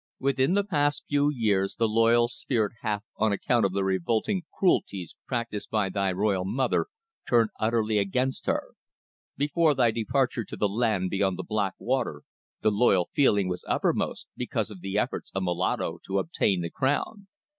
Within the past few years the loyal spirit hath, on account of the revolting cruelties practised by thy royal mother, turned utterly against her. Before thy departure to the land beyond the black water the loyal feeling was uppermost because of the efforts of Moloto to obtain the crown.